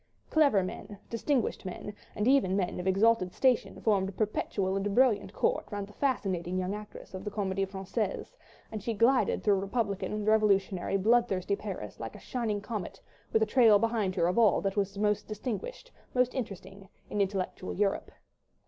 Clever men, distinguished men, and even men of exalted station formed a perpetual and brilliant court round the fascinating young actress of the Comédie Française, and she glided through republican, revolutionary, bloodthirsty Paris like a shining comet with a trail behind her of all that was most distinguished, most interesting, in intellectual Europe.